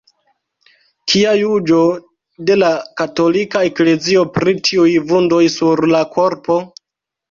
Kia la juĝo de la Katolika Eklezio pri tiuj vundoj sur la korpo?